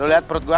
lo liat perut gua